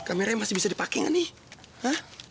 kameranya masih bisa dipakai nggak nih